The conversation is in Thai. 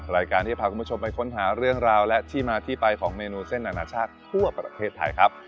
รายการที่จะพาคุณผู้ชมไปค้นหาเรื่องราวและที่มาที่ไปของเมนูเส้นอนาชาติทั่วประเทศไทยครับ